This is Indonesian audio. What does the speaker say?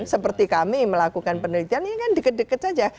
seperti kami melakukan penelitian ini kan deket deket saja